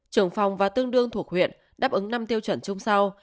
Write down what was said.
trưởng phòng và tương đương thuộc huyện đáp ứng năm tiêu chuẩn chung sau